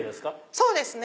そうですね。